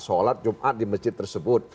sholat jumat di masjid tersebut